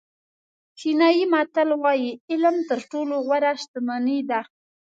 چینایي متل وایي علم تر ټولو غوره شتمني ده.